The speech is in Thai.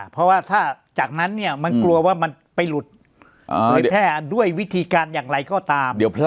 เพราะว่าถ้าจากนั้นเนี่ยมันกลัวว่ามันไปหลุดเผยแพร่ด้วยวิธีการอย่างไรก็ตาม